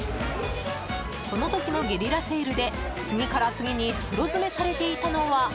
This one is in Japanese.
この時のゲリラセールで次から次に袋詰めされていたのは。